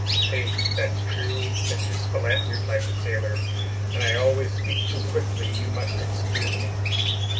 "Faith, that's true, Mr. Spilett," replied the sailor, "and I always speak too quickly. You must excuse me!"